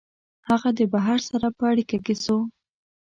هغه د بهر سره په اړیکه کي سو